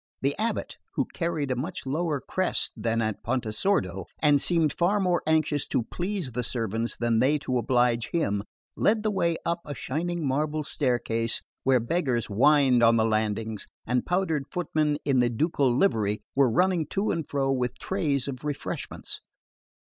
The abate, who carried a much lower crest than at Pontesordo, and seemed far more anxious to please the servants than they to oblige him, led the way up a shining marble staircase where beggars whined on the landings and powdered footmen in the ducal livery were running to and fro with trays of refreshments.